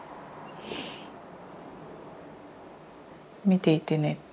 見ていてね。